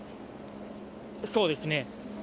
そうですね。